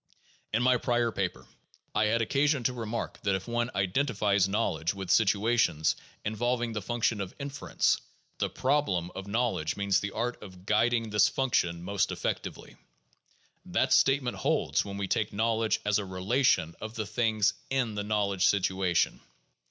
In my prior paper I had occasion to remark that if one identifies "knowledge" with situations involving the function of inference, the problem of knowledge means the art of guiding this function most effectively. That statement holds when we take knowledge as a relation of the things in the knowledge situation.